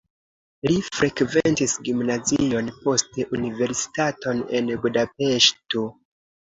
Li frekventis gimnazion, poste universitaton en Budapeŝto.